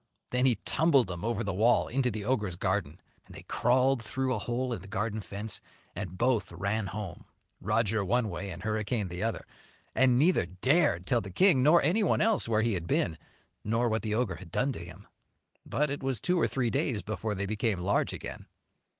Then he tumbled them over the wall into the ogre's garden. And they crawled through a hole in the garden fence and both ran home, Roger one way and Hurricane the other, and neither dared tell the king nor anyone else where he had been, nor what the ogre had done to him. But it was two or three days before they became large again.